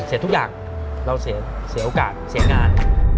เสร็จทุกอย่างเราเสร็จเสร็จโอกาสเสร็จงาน